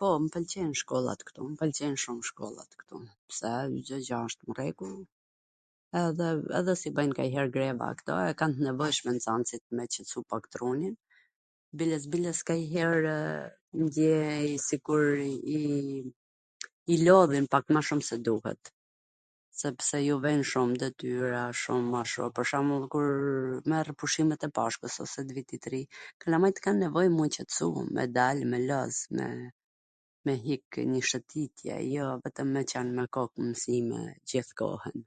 Po, m pwlqen shkollat ktu, m pwlqen shkollat ktu, se Cdo gja asht m rregull, edhe edhe si bajn kanjher greva kto, e kan nevojshme nxwnsit me qetsu pak trunin, biles biles kanjherw ndjej sikur i lodhin pak ma shum se duhet, sepse ju ven shum detyra, shum ashu, pwr shwmbull, kur merr pushimet e Pashkws ose t Vitit Ri, kalamajt kan nevoj me u qetsu, me dal me loz, me hikw njw shwtitjw, jo vetwm merr Cant ngarkohu, si nw gjith kohwn,